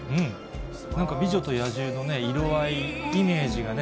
なんか美女と野獣のね、色合い、イメージがね。